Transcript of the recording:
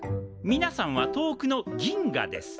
みなさんは遠くの銀河です。